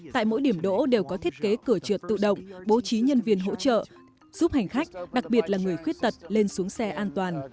tại mỗi điểm đỗ đều có thiết kế cửa trượt tự động bố trí nhân viên hỗ trợ giúp hành khách đặc biệt là người khuyết tật lên xuống xe an toàn